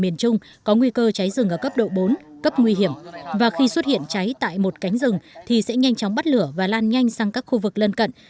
miền trung có nguy cơ cháy rừng ở cấp độ bốn cấp nguy hiểm và khi xuất hiện cháy tại một cánh rừng thì sẽ nhanh chóng bắt lửa và lan nhanh sang các khu vực lân cận